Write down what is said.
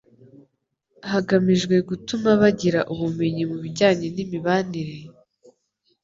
hagamijwe gutuma bagira ubumenyi mu bijyanye n'imibanire,